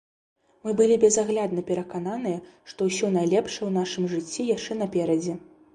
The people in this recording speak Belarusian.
Мы былі безаглядна перакананыя, што ўсё найлепшае ў нашым жыцці яшчэ наперадзе.